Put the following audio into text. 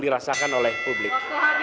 dirasakan oleh publik